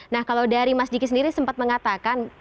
nah kalau dari mas diki sendiri sempat mengatakan